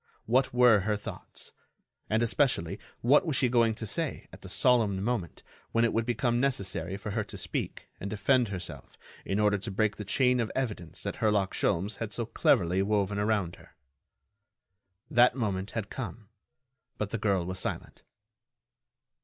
What were her thoughts. And, especially, what was she going to say at the solemn moment when it would become necessary for her to speak and defend herself in order to break the chain of evidence that Herlock Sholmes had so cleverly woven around her? That moment had come, but the girl was silent.